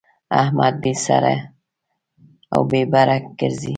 احمد بې سره او بې بره ګرځي.